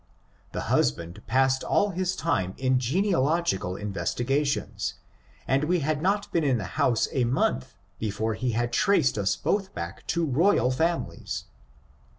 The husband passed all his time in genealogical investigations, and we had not been in the house a month before he had traced us both back to royal families.